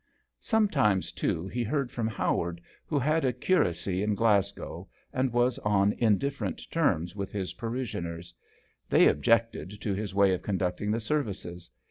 Some times, too, he heard from Howard, who had a curacy in Glasgow and was on indifferent terms with his parishioners. They objected to his way of conducting the services.